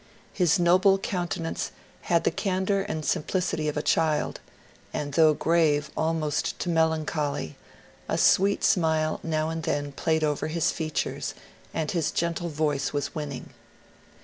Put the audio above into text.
His noble countenance had the can dour and simplicity of a child, and though grave almost to melancholy, a sweet smile now and then played over his fea tures, and his gentle voice was winning.